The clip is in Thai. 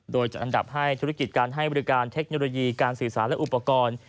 โดยจัดอันดับให้ธุรกิจการให้บริการเทคโนโลยีการสื่อสารและอุปกรณ์